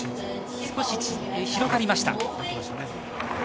少し広がりました。